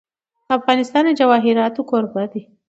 افغانستان د جواهرات کوربه دی.